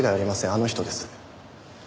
あの人です。